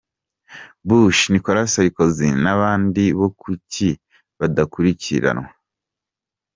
Bush, Nicolas Sarkozy n’abandi bo kuki badakurikiranwa ?.